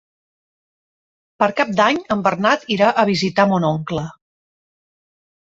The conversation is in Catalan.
Per Cap d'Any en Bernat irà a visitar mon oncle.